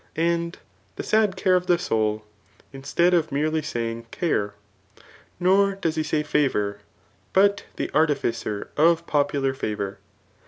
And ffie sad care of tlie souly [[instead of merely saying care.2 Nor does he say favour^ but the arlificer qf popular fcxvowr.